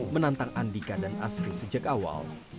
menantang andika dan asri sejak awal